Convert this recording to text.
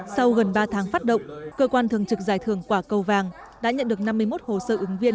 sau gần ba tháng phát động cơ quan thường trực giải thưởng quả cầu vàng đã nhận được năm mươi một hồ sơ ứng viên